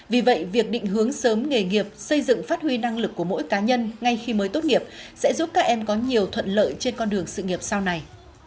vì vậy việc định hướng sớm nghề nghiệp xây dựng phát huy năng lực của mỗi cá nhân ngay khi mới tốt nghiệp sẽ giúp các em có nhiều thuận lợi trên con đường sự nghiệp sau này